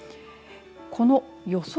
この予想